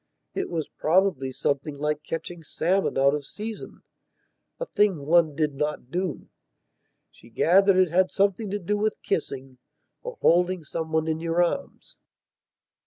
It was probably something like catching salmon out of seasona thing one did not do. She gathered it had something to do with kissing, or holding some one in your arms..